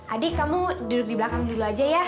adik kamu duduk di belakang dulu aja ya